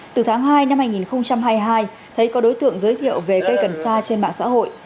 từ tháng hai năm hai nghìn hai mươi hai thấy có đối tượng giới thiệu về cây cần sa trên mạng xã hội